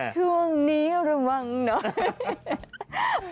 ช่วงนี้หรือว่างน้อย